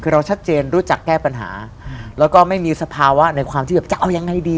เราชัดเจนรู้จักแก้ปัญหาแล้วก็ไม่มีสภาวะอาจจะเอายังไงดี